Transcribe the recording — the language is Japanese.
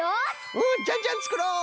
うんじゃんじゃんつくろう！